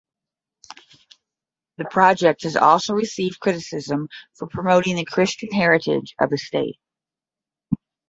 The project has also received criticism for promoting the "Christian heritage" of the state.